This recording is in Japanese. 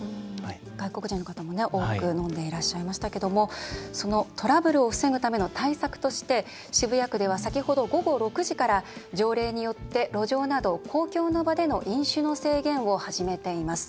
外国人の方も多く飲んでいらっしゃいましたけれどもそのトラブルを防ぐための対策として渋谷区では、先ほど午後６時から条例によって路上など公共の場での飲酒の制限を始めています。